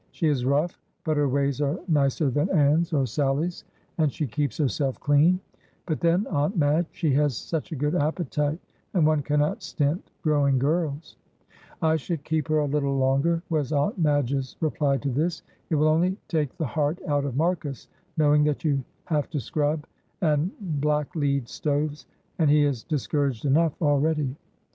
She is rough, but her ways are nicer than Anne's or Sally's, and she keeps herself clean; but then, Aunt Madge, she has such a good appetite, and one cannot stint growing girls." "I should keep her a little longer," was Aunt Madge's reply to this. "It will only take the heart out of Marcus, knowing that you have to scrub and black lead stoves, and he is discouraged enough already.